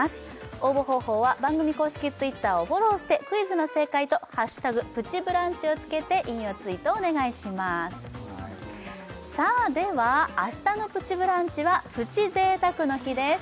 応募方法は番組公式Ｔｗｉｔｔｅｒをフォローしてクイズの正解と「＃プチブランチ」を付けて引用ツイートをお願いしますさあでは明日の「プチブランチ」はプチ贅沢の日です